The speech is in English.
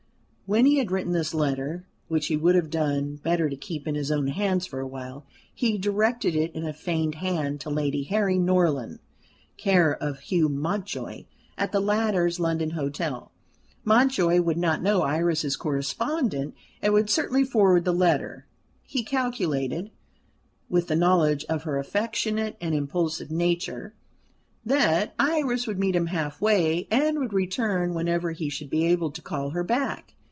When he had written this letter, which he would have done better to keep in his own hands for awhile, he directed it in a feigned hand to Lady Harry Norland, care of Hugh Mountjoy, at the latter's London hotel. Mountjoy would not know Iris's correspondent, and would certainly forward the letter. He calculated with the knowledge of her affectionate and impulsive nature that Iris would meet him half way, and would return whenever he should be able to call her back.